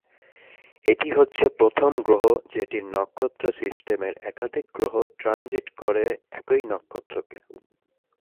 এটি হচ্ছে প্রথম গ্রহ যেটির নক্ষত্র সিস্টেমের একাধিক গ্রহ ট্রানজিট করে একই নক্ষত্রকে।